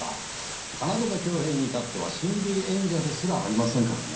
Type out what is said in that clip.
京匡平に至っては親類縁者ですらありませんからね。